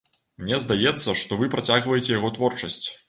Мне здаецца, што вы працягваеце яго творчасць.